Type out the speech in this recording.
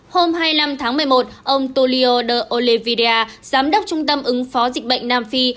hôm hai mươi năm tháng một mươi một ông tolio de olevia giám đốc trung tâm ứng phó dịch bệnh nam phi